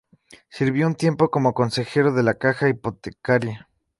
Sirvió un tiempo como consejero de la Caja Hipotecaria.